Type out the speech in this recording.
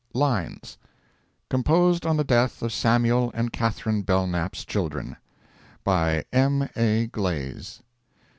] LINES Composed on the death of Samuel and Catharine Belknap's children. BY M. A. GLAZE.